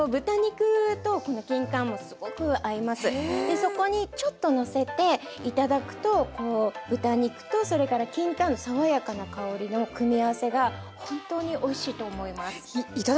そこにちょっとのせて頂くとこう豚肉とそれからきんかんの爽やかな香りの組み合わせが本当においしいと思います。